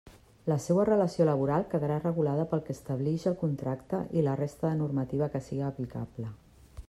La seua relació laboral quedarà regulada pel que establix el contracte i la resta de normativa que siga aplicable.